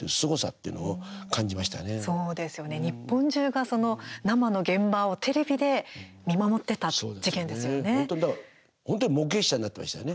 そうですよね日本中が生の現場をテレビで見守ってた事件ですよね。